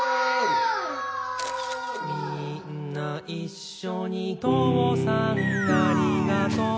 「みーんないっしょにとうさんありがとう」